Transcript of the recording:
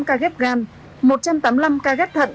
tám mươi tám ca ghép gan một trăm tám mươi năm ca ghép thận